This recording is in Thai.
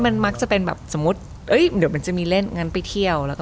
สมมติมันจะมีเล่นไปเที่ยวไปดู